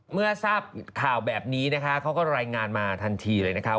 เมื่อทราบข่าวแบบนี้นะคะเขาก็รายงานมาทันทีเลยนะคะ